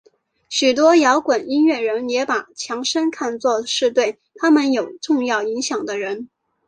许多摇滚音乐人也把强生看作是对他们有重要影响的人。